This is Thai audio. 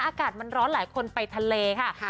อากาศมันร้อนหลายคนไปทะเลค่ะ